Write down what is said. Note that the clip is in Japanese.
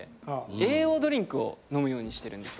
栄養ドリンクを飲むようにしてるんです。